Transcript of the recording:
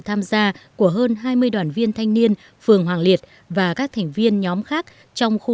tham gia của hơn hai mươi đoàn viên thanh niên phường hoàng liệt và các thành viên nhóm khác trong khu